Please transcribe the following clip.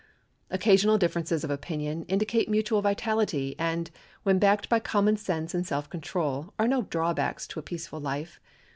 Occasional differences of opinion indicate mutual vitality, and, when backed by common sense and self control, are no drawbacks to a peaceful life.